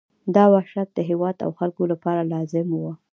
دا وحشت د هېواد او خلکو لپاره لازم وو.